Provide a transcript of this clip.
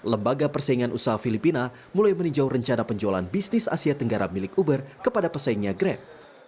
lembaga persaingan usaha filipina mulai meninjau rencana penjualan bisnis asia tenggara milik uber kepada pesaingnya grab